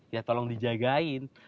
ya tolong dijagain